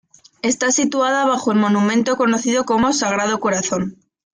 Está situada bajo el monumento conocido como Sagrado Corazón.